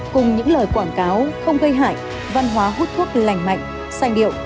cùng những lời quảng cáo không gây hại văn hóa hút thuốc lành mạnh sanh điệu